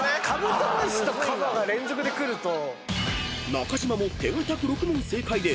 ［中島も手堅く６問正解で］